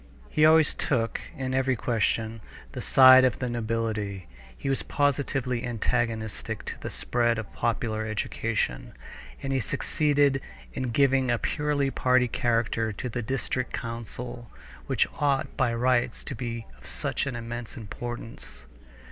He always took, in every question, the side of the nobility; he was positively antagonistic to the spread of popular education, and he succeeded in giving a purely party character to the district council which ought by rights to be of such an immense importance.